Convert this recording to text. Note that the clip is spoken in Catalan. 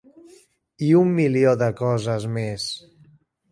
I un milió de coses més.